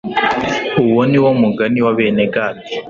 uwo ni wo munani wa bene gadi